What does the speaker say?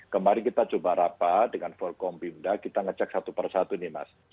kemarin kita coba rapat dengan vorkom bimda kita ngecek satu per satu nih mas